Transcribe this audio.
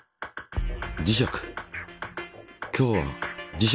磁石。